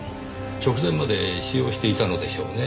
直前まで使用していたのでしょうね。